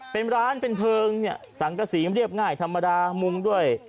เป็นร้านเป็นเพลิงเนี่ยสังกษีเรียบง่ายธรรมดามุงด้วย